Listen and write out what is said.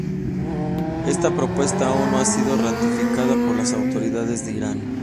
Esta propuesta aun no ha sido ratificada por las autoridades de Irán.